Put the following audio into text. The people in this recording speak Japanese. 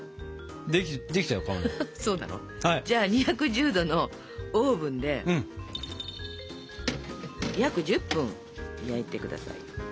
じゃあ２１０度のオーブンで約１０分焼いてください。